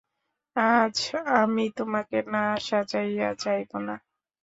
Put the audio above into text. আজ আমি তোমাকে না সাজাইয়া যাইব না।